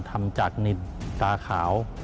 ทำจากนิดตาขาว